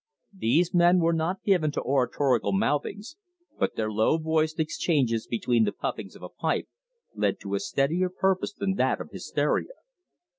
These men were not given to oratorical mouthings, but their low voiced exchanges between the puffings of a pipe led to a steadier purpose than that of hysteria.